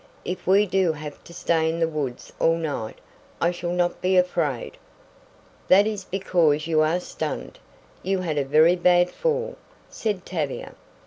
"If we do have to stay in the woods all night, I shall not be afraid." "That is because you are stunned you had a very bad fall," said Tavia.